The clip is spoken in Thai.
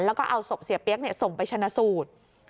แล้วก็เอาศพเสียเปี๊ยกส่งไปชนะสูตร